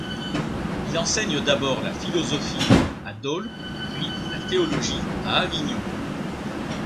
Il enseigne d'abord la philosophie à Dole puis la théologie à Avignon.